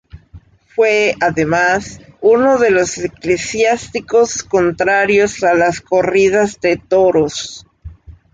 Fue, además, uno de los eclesiásticos contrarios a las corridas de toros.